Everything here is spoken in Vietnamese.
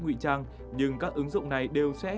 nguy trang nhưng các ứng dụng này đều sẽ